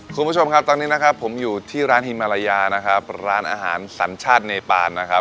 คุณผู้ชมครับตอนนี้นะครับผมอยู่ที่ร้านฮิมารยานะครับร้านอาหารสัญชาติเนปานนะครับ